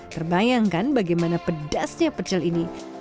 terbayangkan bagaimana pedasnya pecel ini